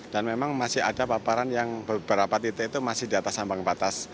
dan memang masih ada paparan yang beberapa titik itu masih di atas ambang batas